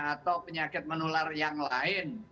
atau penyakit menular yang lain